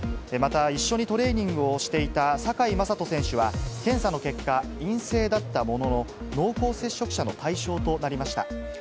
また一緒にトレーニングをしていた坂井聖人選手は、検査の結果、陰性だったものの、濃厚接触者の対象となりました。